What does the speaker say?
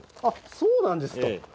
そうなんですか。